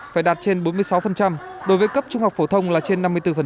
phải đạt trên bốn mươi sáu đối với cấp trung học phổ thông là trên năm mươi bốn